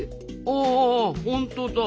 あほんとだ。